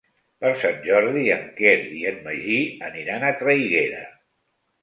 Per Sant Jordi en Quer i en Magí aniran a Traiguera.